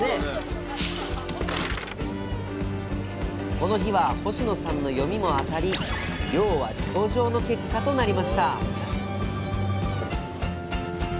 この日は星野さんの読みも当たり漁は上々の結果となりました